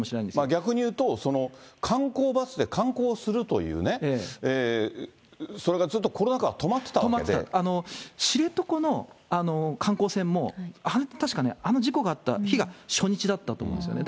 逆に言うと、観光バスで観光するというね、それがずっとコロ知床の観光船も、あれ、確かね、あの事故があった日が初日だったと思うんですよね。